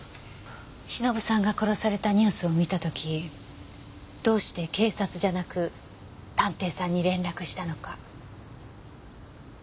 忍さんが殺されたニュースを見た時どうして警察じゃなく探偵さんに連絡したのか。